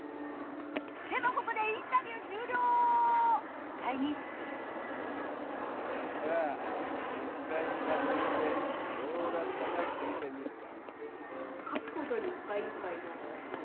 でもここでさあ実さいにやってみてどうだったか聞いてみるか。